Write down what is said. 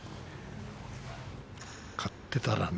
勝ってたらね。